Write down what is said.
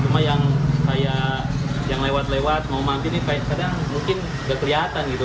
cuma yang kayak yang lewat lewat mau mandi nih kadang mungkin nggak kelihatan gitu